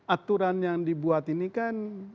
aturan yang dibuat ini kan